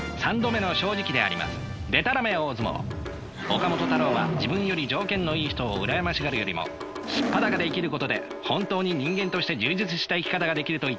岡本太郎は自分より条件のいい人を羨ましがるよりも素っ裸で生きることで本当に人間として充実した生き方ができると言っていました。